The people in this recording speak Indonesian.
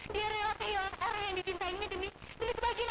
dia rela kehilangan arne yang dicintainya demi kebahagiaan adiknya